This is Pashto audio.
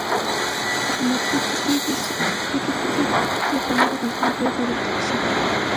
قیمتي تیږي په نورو ملکونو وپلورل شي.